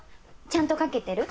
ちゃんとかけてる？